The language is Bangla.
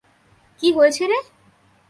কী হয়েছে রে?